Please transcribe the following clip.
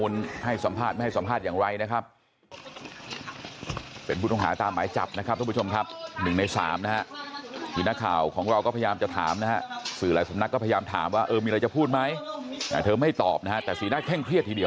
นี่จังหวะนักข่าวเนี่ยคว้ามือถือไว้ค่ะนี่นี่กล้องนี้เลย